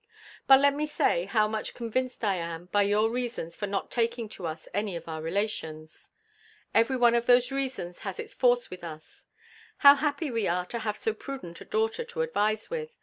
But let me say, how much convinced I am by your reasons for not taking to us any of our relations. Every one of those reasons has its force with us. How happy are we to have so prudent a daughter to advise with!